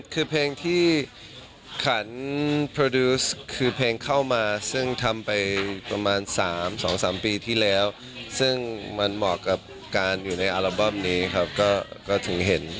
คือเพลงที่ขันโปรดิวส์คือเพลงเข้ามาซึ่งทำไปประมาณ๓๒๓ปีที่แล้วซึ่งมันเหมาะกับการอยู่ในอัลบั้มนี้ครับก็ถึงเห็น